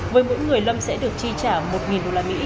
với mỗi người lâm sẽ được chi trả một usd